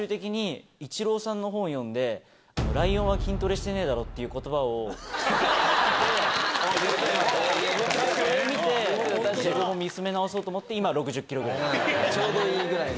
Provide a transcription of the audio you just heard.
最終的に、イチローさんの本読んで、ライオンは筋トレしてないだろ？っていうことばを読んで、自分を見つめ直そうと思って、今６０キちょうどいいぐらいの。